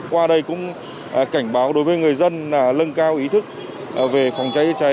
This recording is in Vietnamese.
qua đây cũng cảnh báo đối với người dân là lân cao ý thức về phòng cháy cháy